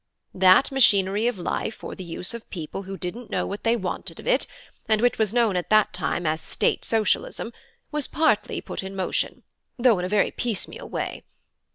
That machinery of life for the use of people who didn't know what they wanted of it, and which was known at the time as State Socialism, was partly put in motion, though in a very piecemeal way.